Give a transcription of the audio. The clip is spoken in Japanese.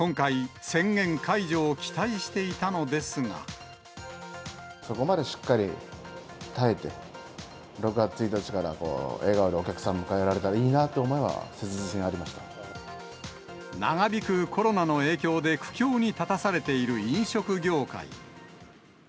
今回、そこまでしっかり耐えて、６月１日から笑顔でお客さん迎えられたらいいなっていう思いは、長引くコロナの影響で苦境に立たされている飲食業界。